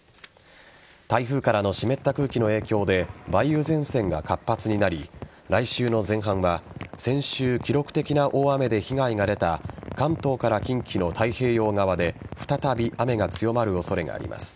台風からの湿った空気の影響で梅雨前線が活発になり来週の前半は先週、記録的な大雨で被害が出た関東から近畿の太平洋側で再び雨が強まる恐れがあります。